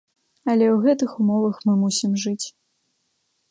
Але ў гэтых умовах мы мусім жыць.